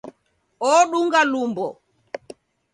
Odunga lumbo